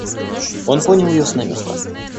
Он понял ее с намека.